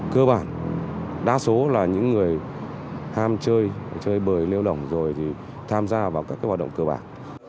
cơ bản đa số là những người ham chơi chơi bời lêu lỏng rồi thì tham gia vào các hoạt động cơ bản